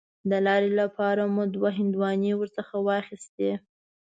د لارې لپاره مو دوه هندواڼې ورڅخه واخیستې.